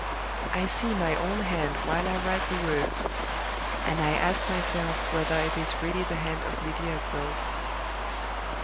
I see my own hand while I write the words and I ask myself whether it is really the hand of Lydia Gwilt!